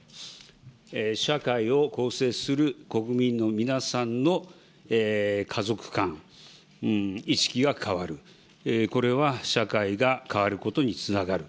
社会を構成する国民の皆さんの家族観、意識が変わる、これは社会が変わることにつながる。